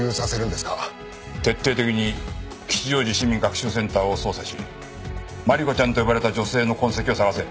徹底的に吉祥寺市民学習センターを捜査しまりこちゃんと呼ばれた女性の痕跡を探せ。